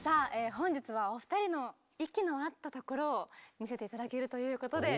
本日はお二人の息の合ったところを見せて頂けるということで。